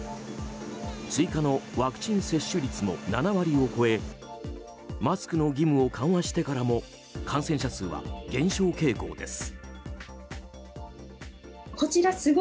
追加のワクチン接種率も７割を超えマスクの義務を緩和してからも感染者数は減少傾向です。